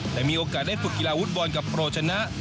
แต่มีโอกาสได้ฝึกกีฬาฟุตบอลกับโรชนะ